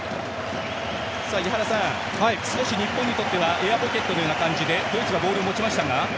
井原さん、少し日本にとってはエアポケットのような形でドイツがボールを持ちましたが。